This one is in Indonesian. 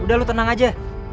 udah lo tenang aja